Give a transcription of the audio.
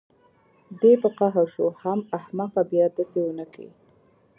دى په قهر شو حم احمقه بيا دسې ونکې.